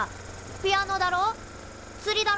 ピアノだろつりだろ